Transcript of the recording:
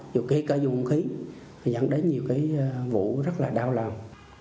dù cái cơ dùng khí dẫn đến nhiều cái vụ rất là đau lòng